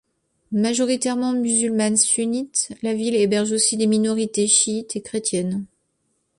Majoritairement musulmane sunnite, la ville héberge aussi des minorités chiites et chrétiennes.